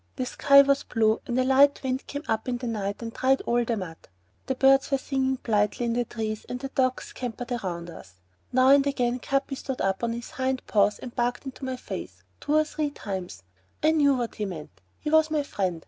The sky was blue and a light wind had come up in the night and dried all the mud. The birds were singing blithely in the trees and the dogs scampered around us. Now and again Capi stood up on his hind paws and barked into my face, two or three times. I knew what he meant. He was my friend.